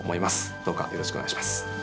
どうかよろしくお願いします。